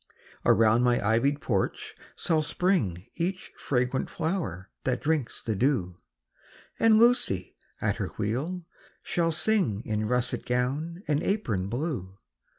Around my ivy'd porch shall spring Each fragrant flower that drinks the dew; And Lucy, at her wheel, shall sing In russet gown and apron blue.